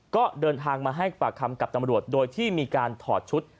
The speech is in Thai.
ก็เดินทางมาให้ปากคำกับตำรวจโดยที่มีการถอดชุด